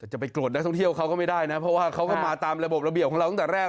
จะไปโกรธนักท่องเที่ยวเขาก็ไม่ได้นะเพราะว่าเขาก็มาตามระบบระเบียบของเราตั้งแต่แรก